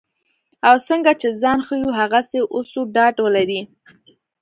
او څنګه چې ځان ښیو هغسې اوسو ډاډ ولرئ.